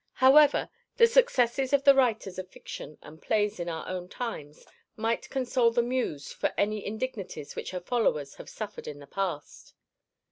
However, the successes of the writers of fiction and plays in our own times might console the Muse for any indignities which her followers have suffered in the past.